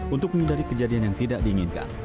untuk menghindari kejadian yang tidak diinginkan